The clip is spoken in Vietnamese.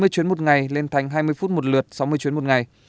hai mươi chuyến một ngày lên thành hai mươi phút một lượt sáu mươi chuyến một ngày